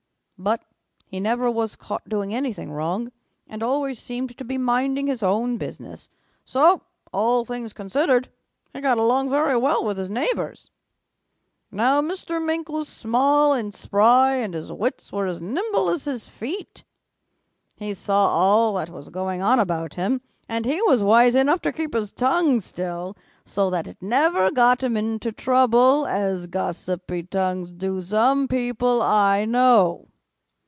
But he never was caught doing anything wrong and always seemed to be minding his own business, so, all things considered, he got along very well with his neighbors. "Now Mr. Mink was small and spry, and his wits were as nimble as his feet. He saw all that was going on about him, and he was wise enough to keep his tongue still, so that it never got him into trouble as gossipy tongues do some people I know."